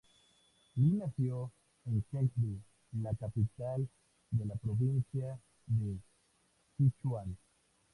Li nació en Chengdu, la capital de la provincia de Sichuan.